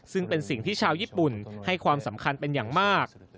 ซึ่งเป็นสิ่งที่ชาวญี่ปุ่นให้ความสำคัญเป็นอย่างมาก